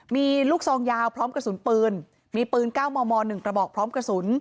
มีลูกซองยาวพร้อมกระสุนปืนมีปืน๙มม๑กระบอกพร้อมกระสุน